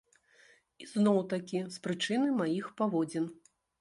І зноў-такі з прычыны маіх паводзін.